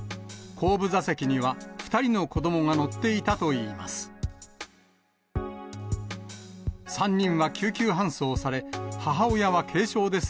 後部座席には、２人の子どもが乗っていたといいます。